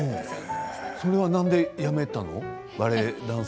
それは何でやめたの？